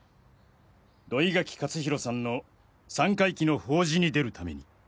土井垣克広さんの三回忌の法事に出るために。